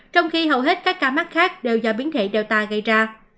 trong khi hầu hết các ca mắc khác đều do biến thể data gây ra